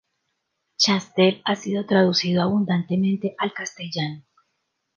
Chastel ha sido traducido abundantemente al castellano.